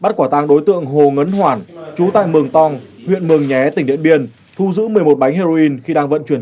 thu giữ một mươi một bánh heroin khi đang vận chuyển